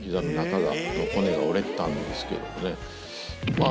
まあ